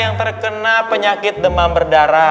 yang terkena penyakit demam berdarah